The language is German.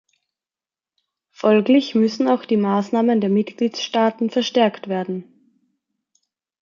Folglich müssen auch die Maßnahmen der Mitgliedstaaten verstärkt werden.